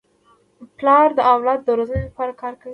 پلار د اولاد د روزني لپاره کار کوي.